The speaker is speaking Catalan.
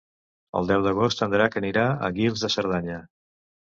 El deu d'agost en Drac anirà a Guils de Cerdanya.